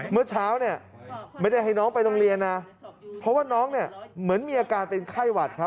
เมื่อเช้าเนี่ยไม่ได้ให้น้องไปโรงเรียนนะเพราะว่าน้องเนี่ยเหมือนมีอาการเป็นไข้หวัดครับ